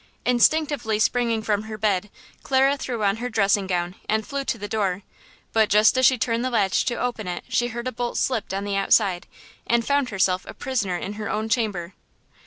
Instinctively springing from her bed, Clara threw on her dressing gown and flew to the door; but just as she turned the latch to open it she heard a bolt slipped on the outside and found herself a prisoner in her own chamber.